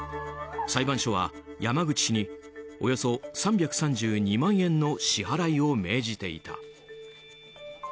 裁判所は山口氏におよそ３３２万円の支払いを命じていた。